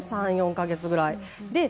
３、４か月くらい。